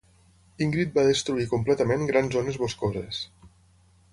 Ingrid va destruir completament grans zones boscoses.